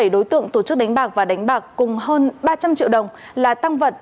bảy đối tượng tổ chức đánh bạc và đánh bạc cùng hơn ba trăm linh triệu đồng là tăng vật